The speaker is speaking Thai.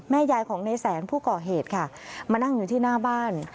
ยายของในแสนผู้ก่อเหตุค่ะมานั่งอยู่ที่หน้าบ้าน